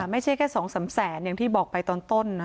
ไม่ใช่แค่๒๓แสนอย่างที่บอกไปตอนต้นนะ